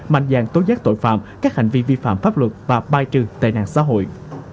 mạnh dàng tối giác tội phạm các hành vi vi phạm pháp luật và bai trừ tệ nạn xã hội